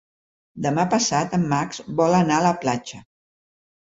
Demà passat en Max vol anar a la platja.